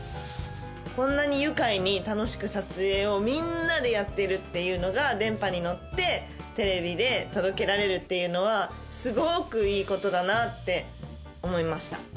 こんなに愉快に楽しく撮影をみんなでやってるっていうのが電波に乗ってテレビで届けられるっていうのはすごくいいことだなって思いました。